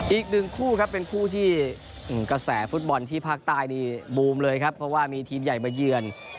อีกหนึ่งคู่ครับเป็นคู่ที่กระแสฟุตบอลที่ภาคใต้นี่บูมเลยครับเพราะว่ามีทีมใหญ่มาเยือน